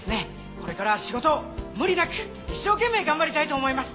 これから仕事を無理なく一生懸命頑張りたいと思います。